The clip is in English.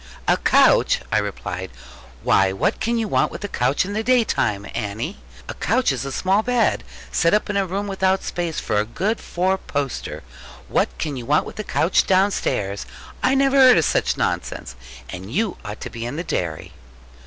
'A couch!' I replied: 'why what can you want with a couch in the day time, Annie? A couch is a small bed, set up in a room without space for a good four poster. What can you want with a couch downstairs? I never heard of such nonsense. And you ought to be in the dairy.'